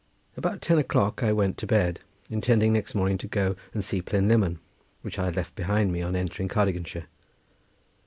About ten o'clock I went to bed, intending next morning to go and see Plynlimmon, which I had left behind me on entering Cardiganshire.